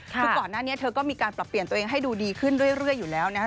คือก่อนหน้านี้เธอก็มีการปรับเปลี่ยนตัวเองให้ดูดีขึ้นเรื่อยอยู่แล้วนะครับ